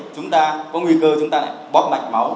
chúng ta có nguy cơ chúng ta lại bóp mạch máu